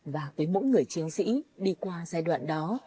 và với mỗi người chiến sĩ đi qua giai đoạn đó